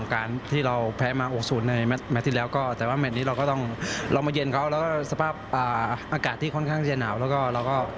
การที่เราแพ้มา๖๐ในแมทที่แล้วก็แต่ว่าแมทนี้เราก็ต้องเรามาเย็นเขาแล้วก็สภาพอากาศที่ค่อนข้างจะหนาวแล้วก็เราก็